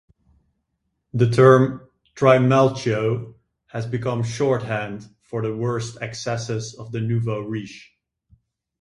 The term "Trimalchio" has become shorthand for the worst excesses of the nouveau riche.